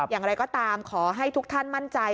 อย่างไรก็ตามขอให้ทุกท่านมั่นใจ